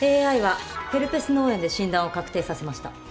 ＡＩはヘルペス脳炎で診断を確定させました。